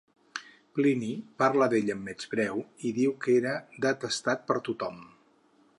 Plini parla d'ell amb menyspreu i diu que era detestat per tothom.